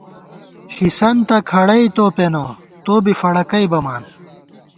ݪِسَنتہ کھڑَئی تو پېنہ ، تو بی فڑَکَئی بَمان